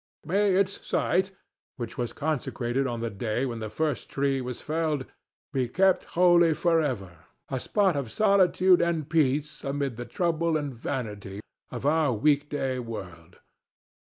May its site, which was consecrated on the day when the first tree was felled, be kept holy for ever, a spot of solitude and peace amid the trouble and vanity of our week day world!